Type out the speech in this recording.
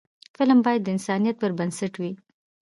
فلم باید د انسانیت پر بنسټ وي